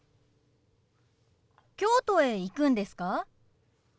京都へ行くんですか？